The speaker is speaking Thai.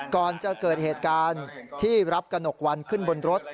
ก่อนจะเกิดเหตุการณ์ที่รับกระหนกวันขึ้นบนรถ